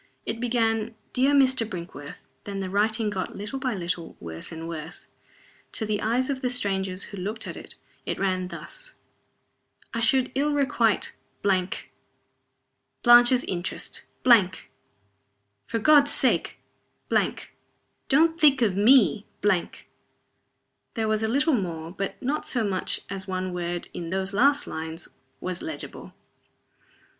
It began: "Dear Mr. Brinkworth." Then the writing got, little by little, worse and worse. To the eyes of the strangers who looked at it, it ran thus: "I should ill requite Blanche's interests For God's sake! don't think of me " There was a little more, but not so much as one word, in those last lines, was legible.